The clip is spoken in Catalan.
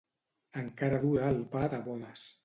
Encara dura el pa de bodes.